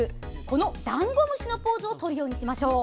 このダンゴムシのポーズをとるようにしましょう。